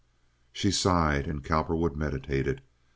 She sighed, and Cowperwood meditated.